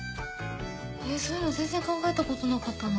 えそういうの全然考えたことなかったな。